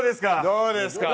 どうですか？